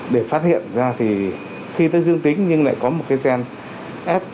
để phát hiện ra thì khi nó dương tính nhưng lại có một cái gen f